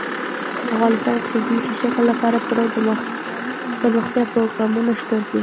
افغانستان کې د ځمکني شکل لپاره پوره دپرمختیا پروګرامونه شته دي.